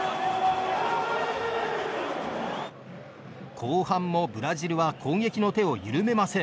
後半もブラジルは攻撃の手を緩めません。